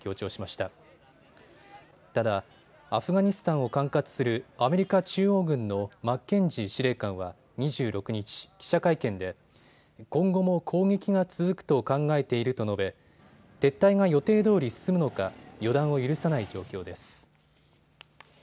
ただアフガニスタンを管轄するアメリカ中央軍のマッケンジー司令官は２６日記者会見で今後も攻撃が続くと考えていると述べ、撤退が予定どおり進むのか予断を許さない状況です。